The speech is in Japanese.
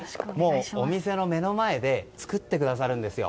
お店の目の前で作ってくださるんですよ。